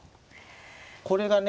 これがね